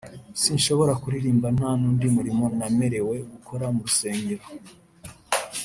sinshobora kuririmba nta n’undi murimo namerewe gukora mu rusengero